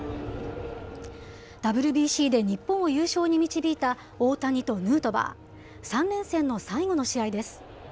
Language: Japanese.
ＷＢＣで日本を優勝に導いた大谷とヌートバー、３連戦の最後の試合です。